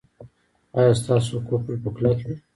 ایا ستاسو قفل به کلک وي؟